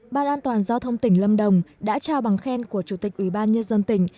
ban an toàn giao thông tỉnh lâm đồng đã trao bằng khen của chủ tịch ủy ban nhân dân tỉnh